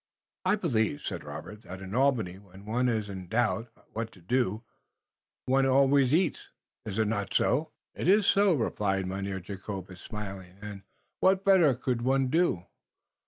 "I believe," said Robert, "that in Albany, when one is in doubt what to do one always eats. Is it not so?" "It iss so," replied Mynheer Jacobus, smiling, "und what better could one do?